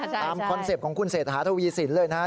ตามคอนเซปของคุณเศรษฐฐทวีสินเลยนะฮะ